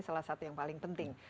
salah satu yang paling penting